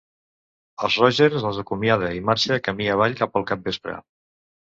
Els Rogers els acomiada i marxa camí avall cap al capvespre.